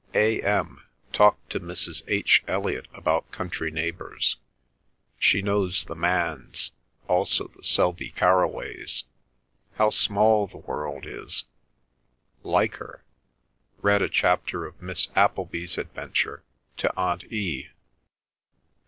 "A.M.—Talked to Mrs. H. Elliot about country neighbours. She knows the Manns; also the Selby Carroways. How small the world is! Like her. Read a chapter of Miss Appleby's Adventure to Aunt E.